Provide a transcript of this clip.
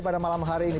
pada malam hari ini